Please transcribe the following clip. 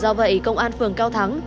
do vậy công an phường cao thắng